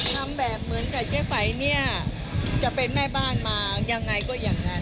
ทำแบบเหมือนกับเจ๊ไฝเนี่ยจะเป็นแม่บ้านมายังไงก็อย่างนั้น